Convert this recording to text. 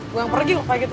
lo yang pergi kok kayak gitu